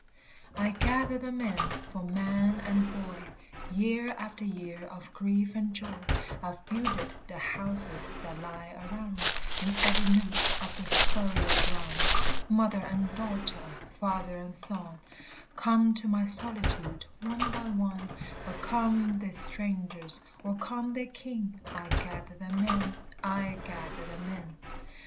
"I gather them in! for man and boy, Year after year of grief and joy, I 've builded the houses that lie around, In every nook of this burial ground; Mother and daughter, father and son, Come to my solitude, one by one: But come they strangers or come they kin I gather them in, I gather them in.